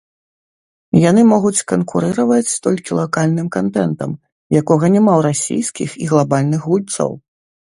Яны могуць канкурыраваць толькі лакальным кантэнтам, якога няма ў расійскіх і глабальных гульцоў.